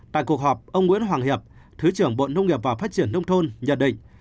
tại cuộc họp ông nguyễn hoàng hiệp thứ trưởng bộ nông nghiệp và phát triển nông thôn nhận định